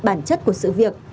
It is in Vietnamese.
bản chất của sự việc